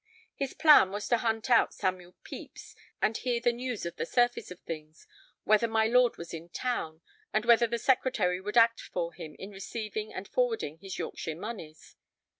His plan was to hunt out Samuel Pepys and hear the news of the surface of things, whether my lord was in town, and whether the Secretary would act for him in receiving and forwarding his Yorkshire moneys.